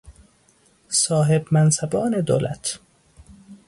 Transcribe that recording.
صاحب منصبان دولت